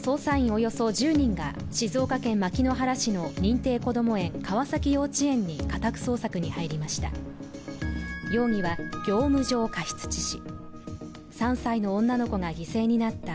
およそ１０人が静岡県牧之原市の認定こども園川崎幼稚園に家宅捜索に入りました。